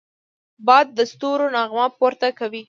باد د ستورو نغمه پورته کوي